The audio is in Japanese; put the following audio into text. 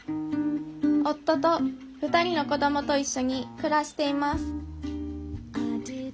夫と２人の子どもと一緒に暮らしています